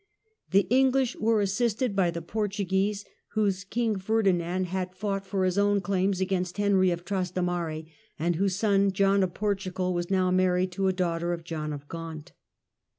The English were assisted by the Portuguese, whose King Ferdinand had fought for his own claims against Henry of Trastamare, and whose son John of Portugal was now married to a daughter of John of Gaunt.